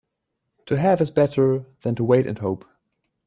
To have is better than to wait and hope.